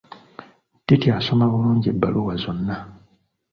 Titi asoma bulungi ebbaluwa zonna.